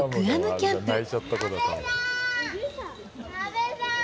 阿部さーん！